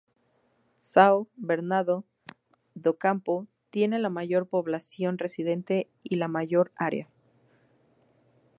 São Bernardo do Campo tiene la mayor población residente y la mayor área.